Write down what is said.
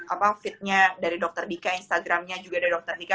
apa feednya dari dokter dika instagramnya juga dari dokter dika